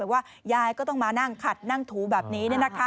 ว่ายายก็ต้องมานั่งขัดนั่งถูแบบนี้